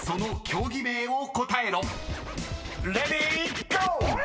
［レディーゴー！］